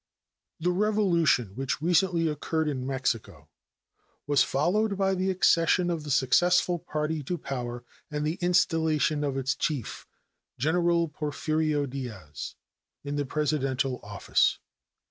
The revolution which recently occurred in Mexico was followed by the accession of the successful party to power and the installation of its chief, General Porfirio Diaz, in the Presidential office.